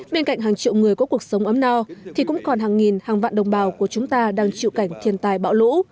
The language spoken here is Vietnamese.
bên cạnh hàng triệu người có cuộc sống ấm no thì cũng còn hàng nghìn hàng vạn đồng bào của chúng ta đang chịu cảnh thiền tài bão lũ